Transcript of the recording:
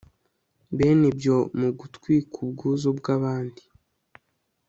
Bene ibyo mu gutwika ubwuzu bwabandi